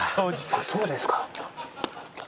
あっそうですか。